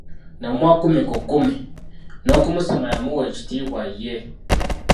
N'amuwa kkumi ku kkumi, n'okumusiima yamuwa ekitiibwa ye.